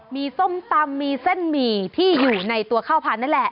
มีส้มตำมีเส้นหมี่ที่อยู่ในตัวข้าวพันธุ์นั่นแหละ